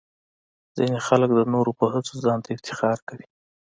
ځینې خلک د نورو په هڅو ځان ته افتخار کوي.